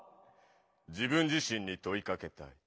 自分自しんにといかけたい。